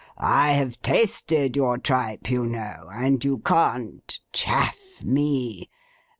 I have tasted your tripe, you know, and you can't "chaff" me.